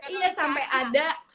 iya sampe ada